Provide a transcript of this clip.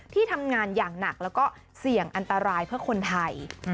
ที่ทำงานอย่างหนักแล้วก็เสี่ยงอันตรายเพื่อคนไทย